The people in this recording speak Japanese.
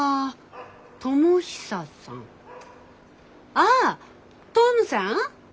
ああトムさん！